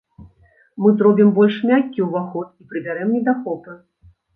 Мы зробім больш мяккі ўваход і прыбярэм недахопы.